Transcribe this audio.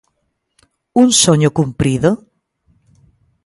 Un soño cumprido?